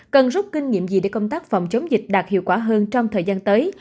cần rút kinh nghiệm gì để công tác phòng chống dịch đạt hiệu quả hơn trong thời gian tới